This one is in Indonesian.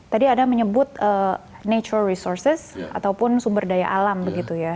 tadi ada menyebut natural resources ataupun sumber daya alam begitu ya